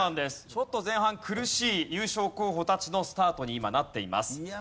ちょっと前半苦しい優勝候補たちのスタートに今なっています。